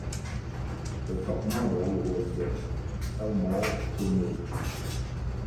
The top model was the "Elmore Tonneau".